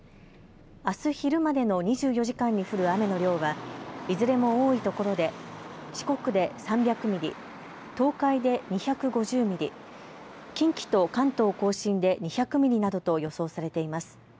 あす昼までの２４時間に降る雨の量はいずれも多いところで四国で３００ミリ、東海で２５０ミリ、近畿と関東甲信で２００ミリなどと予想されています。